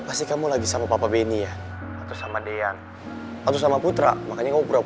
pas kalau dijemput mobilnya ke sini atau aku nanti rumah udah ngus repot repot